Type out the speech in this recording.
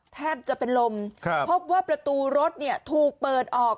แทบจะเป็นลมพบว่าประตูรถเนี่ยถูกเปิดออก